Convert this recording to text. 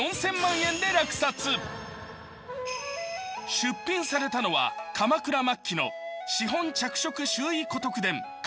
出品されたのは鎌倉末期の「紙本著色拾遺古徳伝巻